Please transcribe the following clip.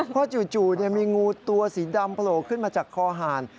เพราะจู่มีงูตัวสีดำโผล่ขึ้นมาจากคอหาร